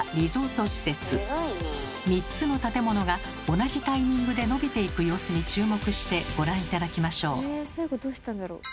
３つの建物が同じタイミングで伸びていく様子に注目してご覧頂きましょう。